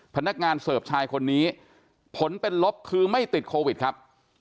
พนักงานเสิร์ฟชายคนนี้ผลเป็นลบคือไม่ติดโควิดครับ